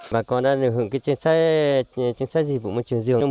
bà con đã lựa hưởng cái chính sách gì của môi trường rừng